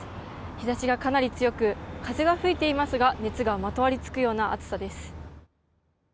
日差しがかなり強く風が吹いていますが熱がまとわりつくような暑さです。